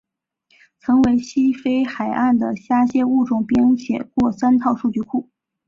曾为西非海岸的虾蟹物种编写过三套数据库。